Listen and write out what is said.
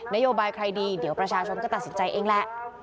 โยบายใครดีเดี๋ยวประชาชนก็ตัดสินใจเองแหละ